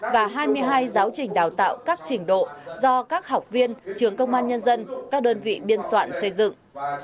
và hai mươi hai giáo trình đào tạo các trình độ do các học viên trường công an nhân dân các đơn vị biên soạn xây dựng